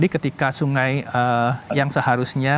ketika sungai yang seharusnya